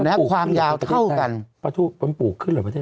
และความยาวเท่ากันปลูกขึ้นหรือปลูกขึ้น